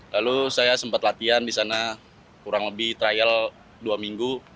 lalu saya sempat latihan di sana kurang lebih trial dua minggu